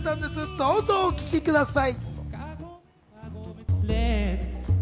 どうぞ、お聴きください！